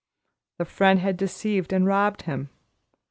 The friend had deceived and robbed him.